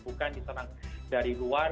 bukan diserang dari luar